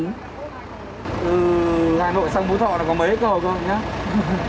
hà nội sông phú thọ có mấy cầu cơ hội nhé